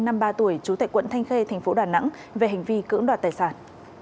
năm ba tuổi chủ tệ quận thanh khê tp đà nẵng về hành vi cưỡng đoạt tài sản